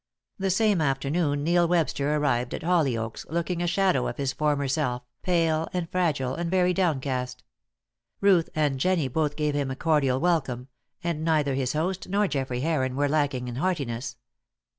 The same afternoon Neil Webster arrived at Hollyoaks, looking a shadow of his former self, pale and fragile, and very downcast. Ruth and Jennie both gave him a cordial welcome; and neither his host nor Geoffrey Heron were lacking in heartiness.